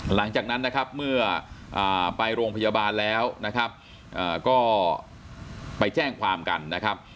หลังจากนั้นนะครับเมื่อไปโรงพยาบาลแล้วนะครับก็ไปแจ้งความกันนะครับ